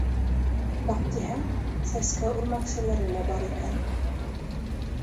Баҡтиһәң, сәскә үрмәкселәре лә бар икән.